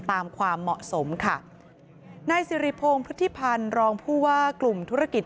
ตามความเหมาะสมค่ะในสิริโพงพฤษภัณฑ์รองผู้ว่ากลุ่มธุรกิจ